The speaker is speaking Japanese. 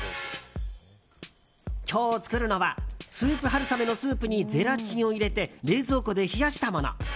今日作るのはスープはるさめのスープにゼラチンを入れて冷蔵庫で冷やしたもの。